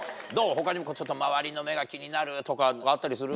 他にも周りの目が気になるとかあったりする？